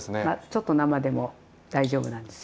ちょっと生でも大丈夫なんです。